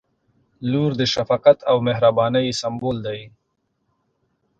• لور د شفقت او مهربانۍ سمبول دی.